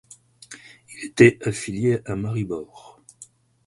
Il était affilié à Maribor.